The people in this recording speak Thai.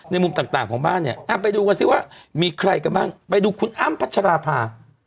มุมต่างของบ้านเนี่ยไปดูกันสิว่ามีใครกันบ้างไปดูคุณอ้ำพัชราภา